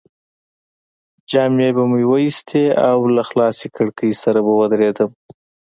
جامې به مې وایستې او له خلاصې کړکۍ سره به ودرېدم.